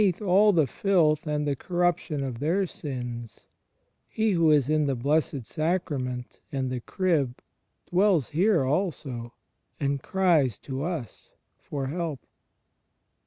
V : 21. 92 THE FRIENDSHIP OF CHRIST all the filth and the corruption of their sins, He who is in the Blessed Sacrament and the Crib dwells here also, and cries to us for help.